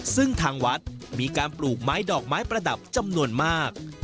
ซึ่งทางวัดมีการปลูกไม้ดอกไม้ประดับจำนวนมาก